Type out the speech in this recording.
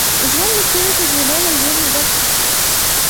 ژوند د تېرو تجربو له زېرمي ګټه اخلي.